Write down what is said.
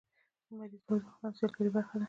لمریز ځواک د افغانستان د سیلګرۍ برخه ده.